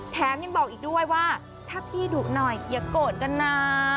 แถมยังบอกอีกด้วยว่าถ้าพี่ดุหน่อยอย่าโกรธกันนะ